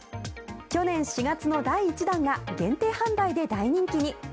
去年４月の第１弾が限定販売で大人気に。